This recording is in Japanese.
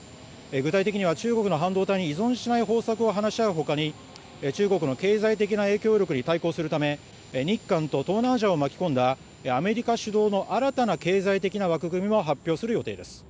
具体的には中国の半導体に依存しない方策を話し合うほかに中国の経済的な影響力に対抗するため日韓と東南アジアを巻き込んだアメリカ主導の新たな経済的な枠組みも発表する予定です。